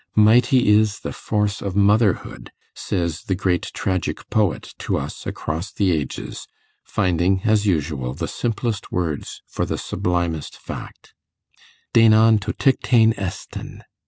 Mighty is the force of motherhood! says the great tragic poet to us across the ages, finding, as usual, the simplest words for the sublimest fact δεινόν τὸ τίκτειν ἐστίν.